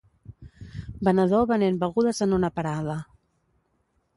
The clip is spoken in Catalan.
Venedor venent begudes en una parada.